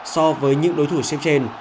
so với những đối thủ xếp trên